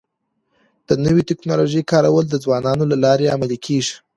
د نوي ټکنالوژۍ کارول د ځوانانو له لارې عملي کيږي.